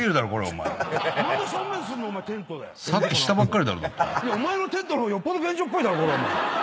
お前のテントの方がよっぽど便所っぽいだろこれ。